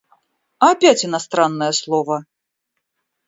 Опять иностранное слово!